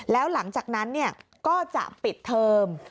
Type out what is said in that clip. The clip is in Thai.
แล้วหลังจากนั้นก็จะปิดเทอม